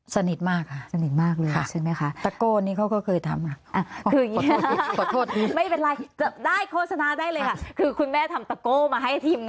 สนิทกับแม่ไหม